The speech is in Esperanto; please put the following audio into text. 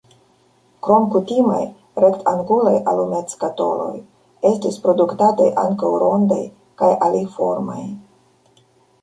Krom kutimaj rektangulaj alumetskatoloj estis produktataj ankaŭ rondaj kaj aliformaj.